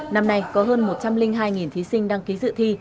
năm nay có hơn một trăm linh hai thí sinh đăng ký dự thi